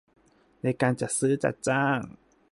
ในการจัดซื้อจัดจ้าง